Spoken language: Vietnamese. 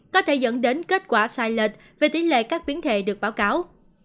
có thể dẫn đến kết quả sai lệch về tỷ lệ các biến thể được báo cáo